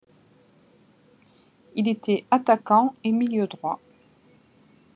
Il était attaquant et milieu droit.